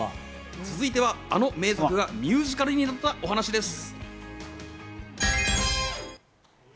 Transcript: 続いてはあの名作がミュージカルになったお話です。